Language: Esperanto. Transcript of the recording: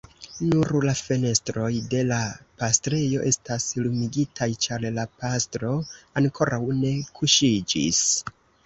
Nur la fenestroj de la pastrejo estas lumigitaj, ĉar la pastro ankoraŭ ne kuŝiĝis.